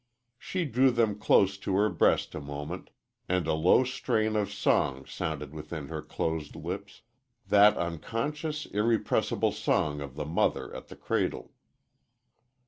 She drew them close to her breast a moment, and a low strain of song sounded within her closed lips that unconscious, irrepressible song of the mother at the cradle.